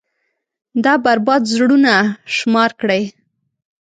دا بـربـاد زړونه شمار كړئ.